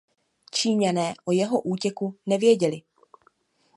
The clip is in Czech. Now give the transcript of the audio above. Číňané o jeho útěku nevěděli.